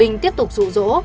bình tiếp tục rủ rỗ